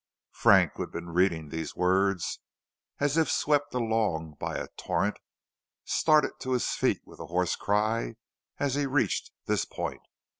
Frank, who had been reading these words as if swept along by a torrent, started to his feet with a hoarse cry, as he reached this point.